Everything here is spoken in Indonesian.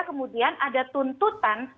kemudian ada tuntutan